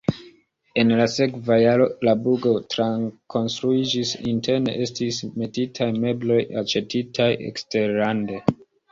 En la sekva jaro la burgo trakonstruiĝis, interne estis metitaj mebloj aĉetitaj eksterlande.